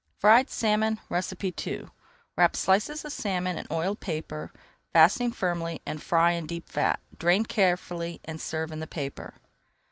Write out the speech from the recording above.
FRIED SALMON II Wrap slices of salmon in oiled paper, fastening firmly, and fry in deep fat. Drain carefully and serve in the paper.